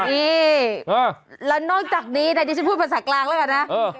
นี่แล้วนอกจากนี้นะดิฉันพูดภาษากลางแล้วกันนะ